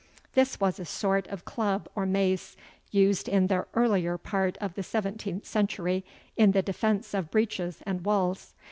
[This was a sort of club or mace, used in the earlier part of the seventeenth century in the defence of breaches and walls.